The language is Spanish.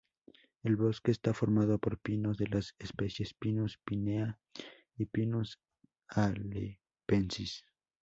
El bosque está formado por pinos de las especies "Pinus pinea" y "Pinus halepensis".